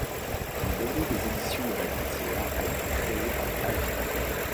Le logo des éditions de la Gouttière a été créé par Alfred.